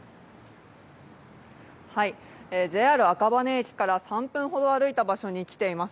ＪＲ赤羽駅から３分ほど歩いた所に来ています。